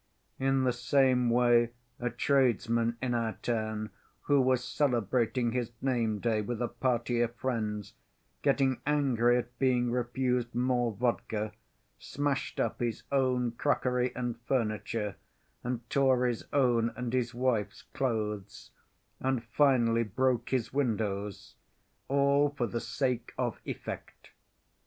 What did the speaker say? In the same way a tradesman in our town who was celebrating his name‐day with a party of friends, getting angry at being refused more vodka, smashed up his own crockery and furniture and tore his own and his wife's clothes, and finally broke his windows, all for the sake of effect.